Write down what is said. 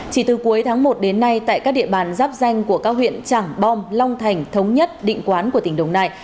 chỉ từ cuối tháng một đến nay tại các địa bàn giáp danh của các huyện trảng bom long thành thống nhất định quán của tỉnh đồng nai